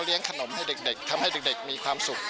ขนมให้เด็กทำให้เด็กมีความสุข